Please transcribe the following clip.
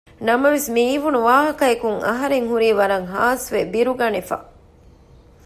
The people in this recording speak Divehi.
ނަމަވެސް މިއިވުނު ވާހަކައަކުން އަހަރެން ހުރީ ވަރަށް ހާސްވެ ބިރުގަނެފަ